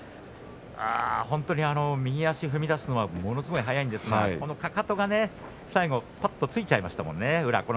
本当に右足を踏み出すのもうすごい速いんですがかかとがね最後ぱっとついちゃいましたもんね、宇良。